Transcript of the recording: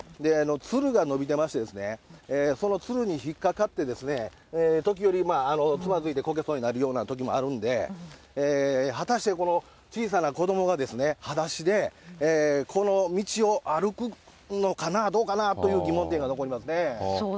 つるが伸びてまして、そのつるに引っ掛かって、時折、つまづいてこけそうになるときもあるんで、果たして、この小さな子どもが、はだしでこの道を歩くのかな、どうかなという疑問点が残りますね。